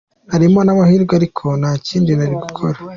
Harimo n'amahirwe ariko nta kindi nari gukora.